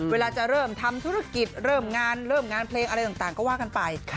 เวลาจะเริ่มทำธุรกิจเริ่มงานเริ่มงานเพลงอะไรต่างก็ว่ากันไป